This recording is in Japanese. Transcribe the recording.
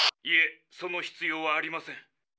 いえその必要はありません。